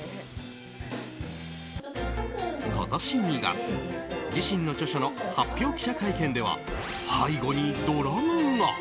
今年２月、自身の著書の発表記者会見では背後にドラムが。